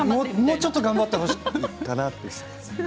もうちょっと頑張ってほしいかなって。